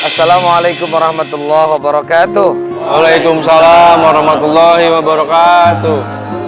assalamualaikum warahmatullahi wabarakatuh waalaikumsalam warahmatullahi wabarakatuh